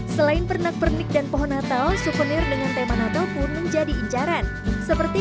selain pernak pernik dan pohon natal souvenir dengan tema natal pun menjadi incaran seperti